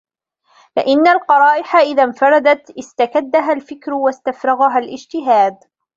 فَإِنَّ الْقَرَائِحَ إذَا انْفَرَدَتْ اسْتَكَدَّهَا الْفِكْرُ وَاسْتَفْرَغَهَا الِاجْتِهَادُ